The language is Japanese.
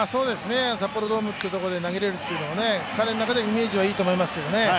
札幌ドームというところで投げれるというのは彼の中でイメージはいいと思いますけどね。